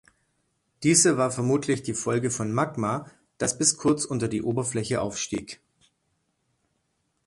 Diese war vermutlich die Folge von Magma, das bis kurz unter die Oberfläche aufstieg.